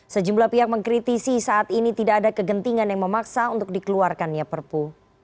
sejumlah pihak mengkritisi saat ini tidak ada kegentingan yang memaksa untuk dikeluarkannya perpu